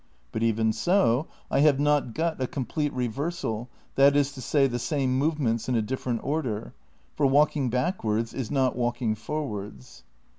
But even so, I have not got a complete reversal, that is to say, the same movements in a different order ; for walking backwards is not walking forwards.